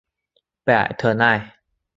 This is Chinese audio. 贝尔特奈。